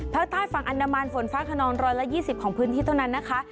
เพราะใต้ฝั่งอันดรมันฝนฟ้าขนองร้อยละยี่สิบของพื้นที่เท่านั้นนะคะ